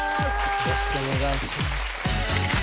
よろしくお願いします